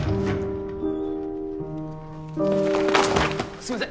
すいません！